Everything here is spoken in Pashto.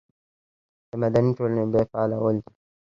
د مدني ټولنې بیا فعالول دي.